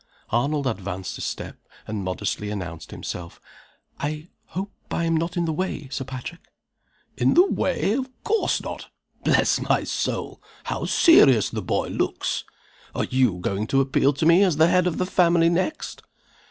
Arnold advanced a step, and modestly announced himself. "I hope I am not in the way, Sir Patrick?" "In the way? of course not! Bless my soul, how serious the boy looks! Are you going to appeal to me as the head of the family next?"